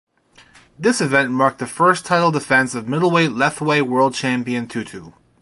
This event marked the first title defence of middleweight Lethwei world champion Too Too.